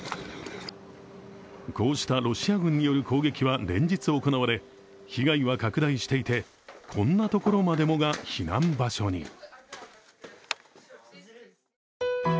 こうしたロシア軍による攻撃は連日行われ、被害は拡大していて、こんなところまでもが避難場所に。